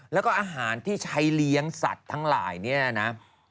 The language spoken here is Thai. แล้วก็อาหารที่ใช้เลี้ยงสัตว์ทั้งหลายเนี่ยนะ